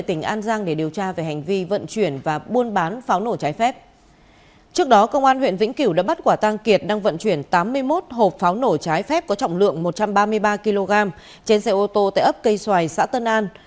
trước đó công an huyện vĩnh kiểu đã bắt quả tang kiệt đang vận chuyển tám mươi một hộp pháo nổ trái phép có trọng lượng một trăm ba mươi ba kg trên xe ô tô tại ấp cây xoài xã tân an